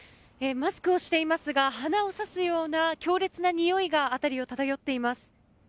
マスクをしていますが鼻を刺すような強烈なにおいが辺りを漂っています。